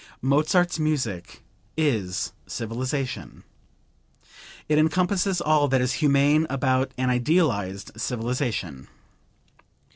Mozart's music IS civilization. It encompasses all that is humane about an idealized civilization.